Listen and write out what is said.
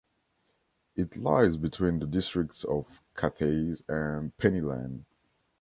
It lies between the districts of Cathays and Penylan.